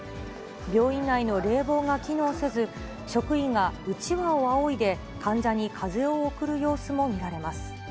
病院内の冷房が機能せず、職員がうちわをあおいで患者に風を送る様子も見られます。